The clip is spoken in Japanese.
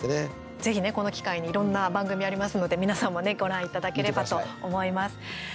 ぜひね、この機会にいろんな番組ありますので皆さんもねご覧いただければと思います。